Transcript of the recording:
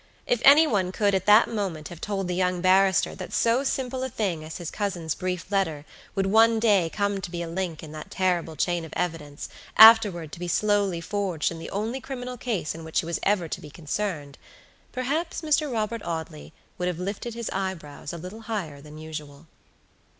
If any one could at that moment have told the young barrister that so simple a thing as his cousin's brief letter would one day come to be a link in that terrible chain of evidence afterward to be slowly forged in the only criminal case in which he was ever to be concerned, perhaps Mr. Robert Audley would have lifted his eyebrows a little higher than usual.